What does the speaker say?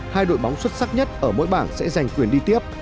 hai đội bóng xuất sắc nhất ở mỗi bảng sẽ giành quyền đi tiếp